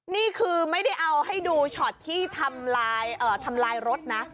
นี่คือไม่ได้เอาให้ดูช็อตที่ทำลายรถนะ